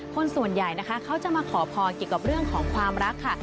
คนส่วนใหญ่นะคะเขาจะมาขอพรเกี่ยวกับเรื่องของความรักค่ะ